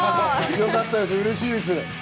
よかったです、うれしいです。